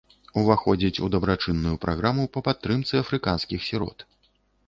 Уваходзіць у дабрачынную праграму па падтрымцы афрыканскіх сірот.